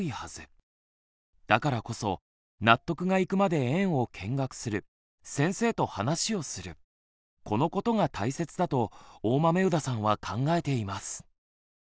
だからこそ納得がいくまで園を見学する先生と話をするこのことが大切だと大豆生田さんは考えています。